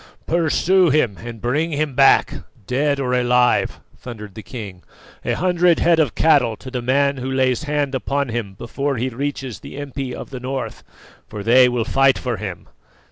"Pursue him and bring him back, dead or alive!" thundered the king. "A hundred head of cattle to the man who lays hand upon him before he reaches the impi of the North, for they will fight for him!"